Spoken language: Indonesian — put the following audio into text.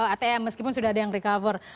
atm meskipun sudah ada yang recover